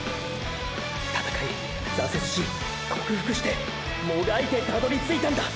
闘い挫折し克服してもがいてたどりついたんだ